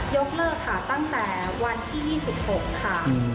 ยกเลิกค่ะตั้งแต่วันที่๒๖ค่ะ